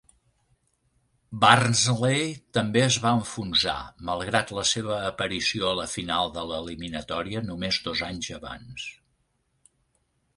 Barnsley també es va enfonsar, malgrat la seva aparició a la final de l'eliminatòria només dos anys abans.